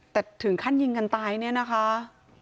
แต่ถึงขั้นยิงกันตายเนี่ยนะคะ